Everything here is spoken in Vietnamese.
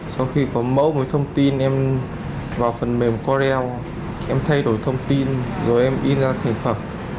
sau khi có mẫu với thông tin em vào phần mềm corel em thay đổi thông tin rồi em in ra thành phẩm